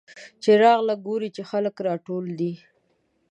چې راغله ګوري چې خلک راټول دي.